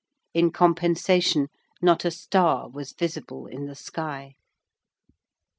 In compensation, not a star was visible in the sky.